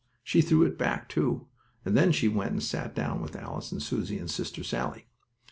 She threw it back too, and then she went and sat down with Alice and Susie and Sister Sallie.